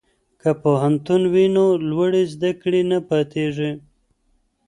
که پوهنتون وي نو لوړې زده کړې نه پاتیږي.